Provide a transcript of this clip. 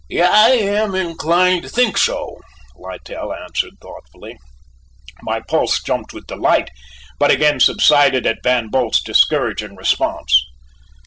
"I am inclined to think so," Littell answered thoughtfully. My pulse jumped with delight, but again subsided at Van Bult's discouraging response.